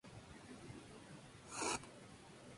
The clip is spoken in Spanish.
E. Smith.